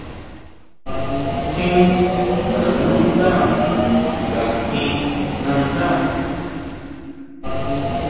¿Tjin nanú ndá ngajin nandá?